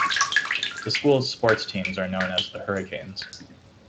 The school's sports teams are known as The Hurricanes.